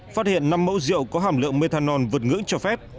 phát hiện năm mẫu rượu có hàm lượng methanol vượt ngưỡng cho phép